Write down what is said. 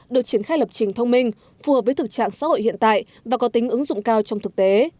được triển khai lập trình thông minh phù hợp với thực trạng xã hội hiện tại và có tính ứng dụng cao trong thực tế